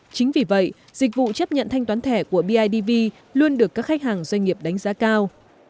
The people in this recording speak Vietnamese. chính vì vậy dịch vụ chấp nhận thanh toán thẻ của bidv luôn được các khách hàng doanh nghiệp đánh giá cao